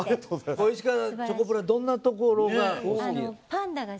チョコプラのどんなところが。